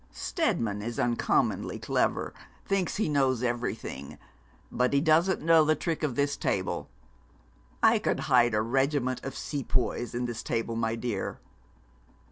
'Steadman is uncommonly clever thinks he knows everything but he doesn't know the trick of this table. I could hide a regiment of Sepoys in this table, my dear.